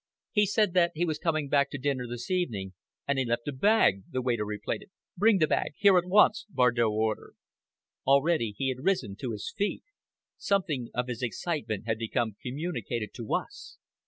"He said that he was coming back to dinner this evening, and he left a bag," the waiter replied. "Bring the bag here at once!" Bardow ordered. Already he had risen to his feet. Something of his excitement had become communicated to us.